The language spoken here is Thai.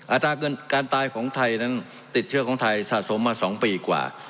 การตายของไทยนั้นติดเชื้อของไทยสะสมมา๒ปีกว่า